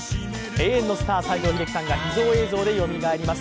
永遠のスター、西城秀樹さんが秘蔵映像でよみがえります。